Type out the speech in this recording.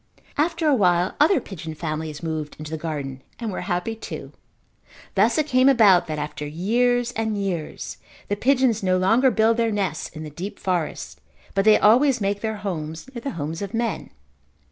After a while other pigeon families moved into the garden and were happy too. Thus it came about that after years and years the pigeons no longer build their nests in the deep forest, but they always make their homes near the homes of men.